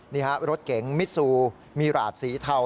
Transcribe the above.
นี่ฮะรถเก๋งมิซูมีหลาดสีเทา